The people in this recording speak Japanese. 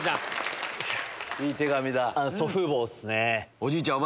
おじいちゃんだ。